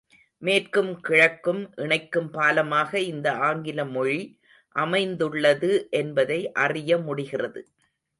மேற்கும் கிழக்கும் இணைக்கும் பாலமாக இந்த ஆங்கில மொழி அமைந்துள்ளது என்பதை அறிய முடிகிறது.